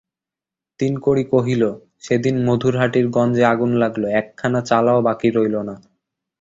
তিনকড়ি কহিল, সেদিন মধুরহাটির গঞ্জে আগুন লাগল, একখানা চালাও বাকি রইল না।